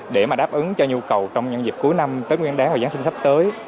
để mà đáp ứng cho nhu cầu trong những dịp cuối năm tới nguyên đáng và giáng sinh sắp tới